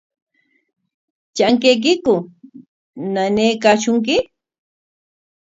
¿Trankaykiku nanaykashunki?